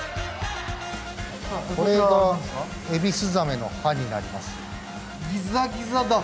これがエビスザメの歯になります。